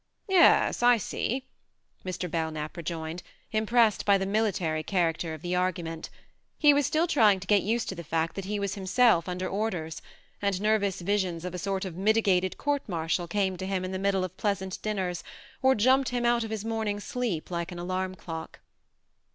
" Yes, I see," Mr. Belknap rejoined, impressed by the military character of the argument. He was still trying to get used to the fact that he was himself under orders, and nervous visions of a sort of mitigated court martial came to him in the middle of pleasant dinners, or jumped him out of his morning sleep like an alarm clock.